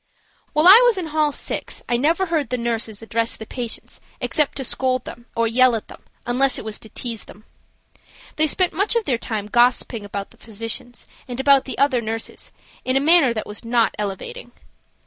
While I was in hall 6 I never heard the nurses address the patients except to scold or yell at them, unless it was to tease the. They spent much of their time gossiping about the physicians and about the other nurses in a manner that was not elevating.